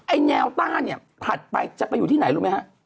แนวต้านเนี่ยถัดไปจะไปอยู่ที่ไหนรู้ไหมฮะ